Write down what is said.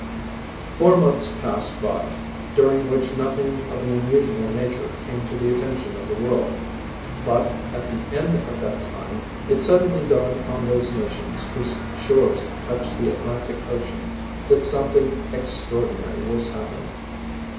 Four months passed by during which nothing of an unusual nature came to the attention of the world. But at the end of that time, it suddenly dawned upon those nations whose shores touched the Atlantic ocean, that something extraordinary was happening.